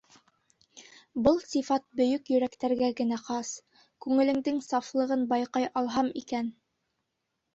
Был сифат бөйөк йөрәктәргә генә хас, Күңелеңдең сафлығын байҡай алһам икән!